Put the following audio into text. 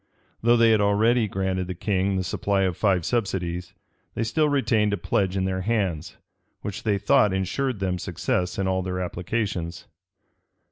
Though they had already granted the king the supply of five subsidies, they still retained a pledge in their hands, which they thought insured them success in all their applications.